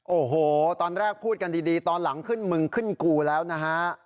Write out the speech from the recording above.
โอ้โหตอนแรกพูดกันดีตอนหลังขึ้นมึงขึ้นกูแล้วนะฮะ